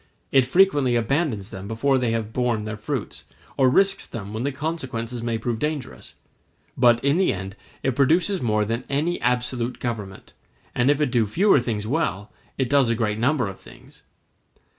It frequently abandons them before they have borne their fruits, or risks them when the consequences may prove dangerous; but in the end it produces more than any absolute government, and if it do fewer things well, it does a greater number of things.